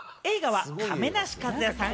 映画は亀梨和也さん